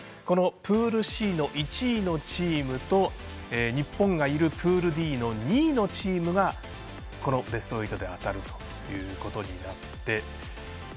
プールＣの１位のチームと日本がいるプールＤの２位のチームがこのベスト８で当たるということになって。